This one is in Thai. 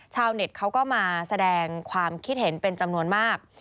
เน็ตเขาก็มาแสดงความคิดเห็นเป็นจำนวนมาก